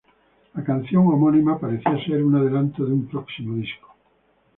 La canción homónima parecía ser un adelanto de un próximo disco.